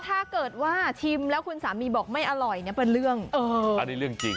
ถ้าเกิดว่าชิมแล้วคุณสามีบอกไม่อร่อยนะเป็นเรื่องเอออันนี้เรื่องจริง